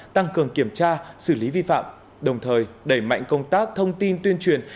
tăng cường kiểm tra xử lý vi phạm đồng thời đẩy mạnh công tác thông tin tuyên truyền